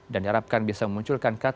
dan diharapkan bisa memunculkan kata sepakat